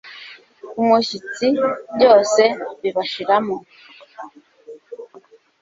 umushyitsi, byose bibashiramo